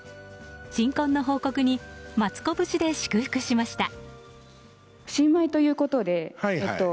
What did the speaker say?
新婚の報告にマツコ節で祝福しました。